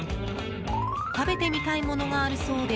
食べてみたいものがあるそうで。